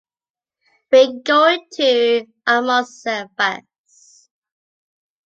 We’re going to Almussafes.